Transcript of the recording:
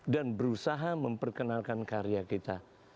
dan berusaha memperkenalkan karya kita